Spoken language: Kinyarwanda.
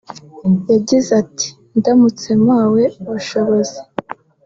yagize ati "Ndamutse mpawe ubushobozi